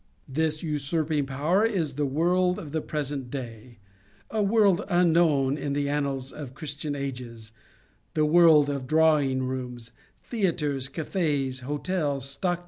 This usurping power is the world of the present day: a world unknown in the annals of Christian ages, the world of drawing rooms, theatres, cafes, hotels, stock In the Nineteenth Cen tury.